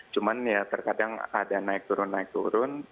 cuman ya terkadang ada naik turun naik turun